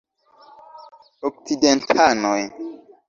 Okcidentanoj.